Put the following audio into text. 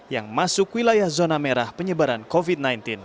yang masuk wilayah zona merah penyebaran covid sembilan belas